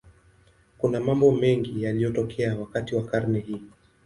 Kuna mambo mengi yaliyotokea wakati wa karne hii.